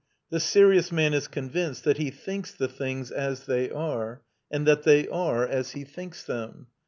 The serious man is convinced that he thinks the things as they are, and that they are as he thinks them.